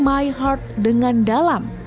breaking my heart dengan dalam